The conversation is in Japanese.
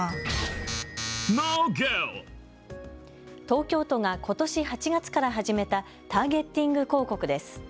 東京都がことし８月から始めたターゲッティング広告です。